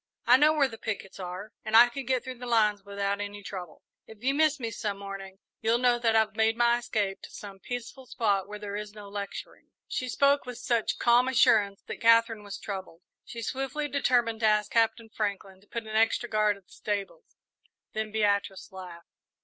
I know where the pickets are and I could get through the lines without any trouble. If you miss me some morning, you'll know that I've made my escape to some peaceful spot where there is no lecturing." She spoke with such calm assurance that Katherine was troubled. She swiftly determined to ask Captain Franklin to put an extra guard at the stables, then Beatrice laughed.